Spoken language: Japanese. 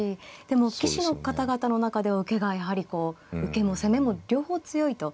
でも棋士の方々の中では受けがやはり受けも攻めも両方強いと。